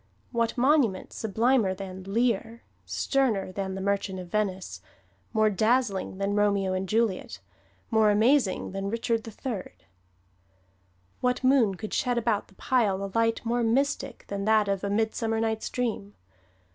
What monument sublimer than "Lear," sterner than "The Merchant of Venice," more dazzling than "Romeo and Juliet," more amazing than "Richard III"? What moon could shed about the pile a light more mystic than that of "A Midsummer Night's Dream"?